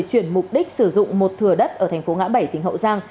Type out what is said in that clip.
chuyển mục đích sử dụng một thừa đất ở thành phố ngã bảy tỉnh hậu giang